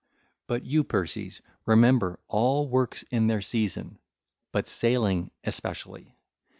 (ll. 641 645) But you, Perses, remember all works in their season but sailing especially.